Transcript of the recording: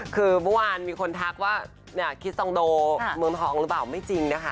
คือเมื่อวานมีคนทักว่าคิสซองโดเมืองทองหรือเปล่าไม่จริงนะคะ